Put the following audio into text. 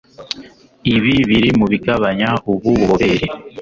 ibi biri mu bigabanya ubu bubobere.